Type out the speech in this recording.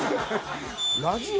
ラジオ？